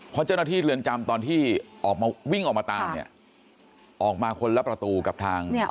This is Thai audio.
เพราะเจ้าหน้าที่เรือนจำตอนที่ออกมาวิ่งออกมาตามเนี่ยออกมาคนละประตูกับทางเนี่ย